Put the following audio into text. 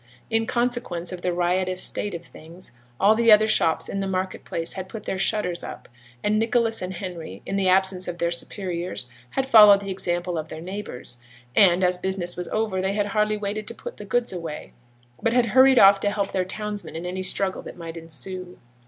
In consequence of the riotous state of things, all the other shops in the market place had put their shutters up; and Nicholas and Henry, in the absence of their superiors, had followed the example of their neighbours, and, as business was over, they had hardly waited to put the goods away, but had hurried off to help their townsmen in any struggle that might ensue.